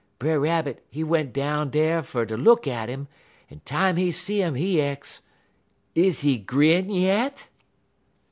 Brer Rabbit, he went down dar fer ter look at 'im, en time he see 'im, he ex: "'Is he grin yit?'